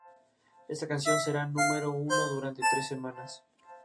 Esta canción será número uno durante tres semanas.